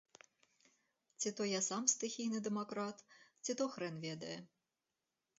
Ці то я сам стыхійны дэмакрат, ці то хрэн ведае.